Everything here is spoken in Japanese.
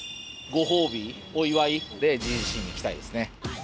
ご褒美お祝いでＧＧＣに行きたいですね。